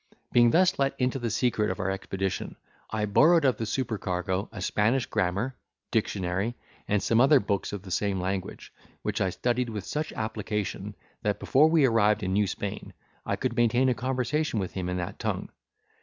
Being thus let into the secret of our expedition, I borrowed of the supercargo a Spanish grammar, dictionary, and some other books of the same language, which I studied with such application that, before we arrived in New Spain, I could maintain a conversation with him in that tongue.